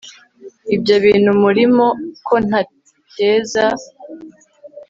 ibyo bintu murimo ko ntakeza